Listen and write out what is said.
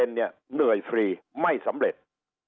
๙๙เนี่ยเหนื่อยฟรีไม่สำเร็จ